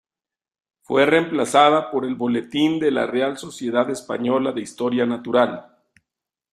Fue reemplazada por el "Boletín de la Real Sociedad Española de Historia Natural.